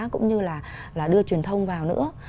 cũng như là đưa truyền thông vào nữa